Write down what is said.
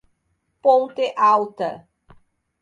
Ponte Alta